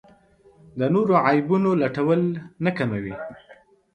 د نورو عیبونو لټول نه کموي.